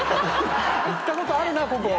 行ったことあるなここ。